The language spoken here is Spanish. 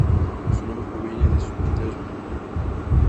Su nombre proviene de sus propietarios.